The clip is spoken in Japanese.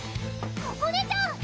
ここねちゃん！